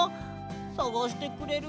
さがしてくれる？